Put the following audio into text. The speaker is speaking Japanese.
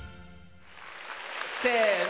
せの。